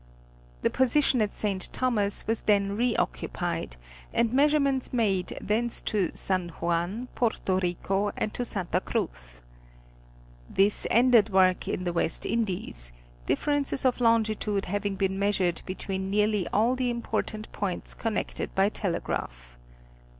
The position at St. Thomas was then re occupied, and measurements made thence to San Juan, Porto Rico, and to Santa Cruz. This ended the Telegraphic Determinations of Longitude. 15 work in the West Indies, differences of longitude having been measured between nearly all the important points connected by telegraph.